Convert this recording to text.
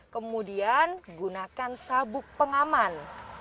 kemudian gunakan sabuk pengaman